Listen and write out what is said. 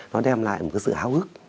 nó đem lại một cái sự háo hức